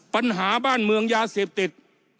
ปัญหาบ้านเมืองยาเสพติด